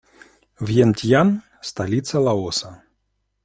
Вьентьян - столица Лаоса.